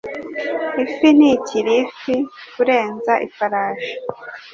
Ifi ntikiri ifi kurenza ifarashi.